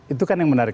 itu kan yang menarik